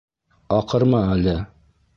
Аҡырма әле!